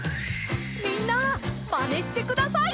みんなまねしてください。